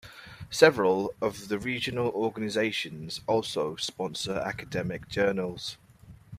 Several of the regional organizations also sponsor academic journals.